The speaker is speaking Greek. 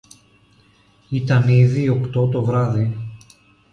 Ήταν ήδη οκτώ το βράδυ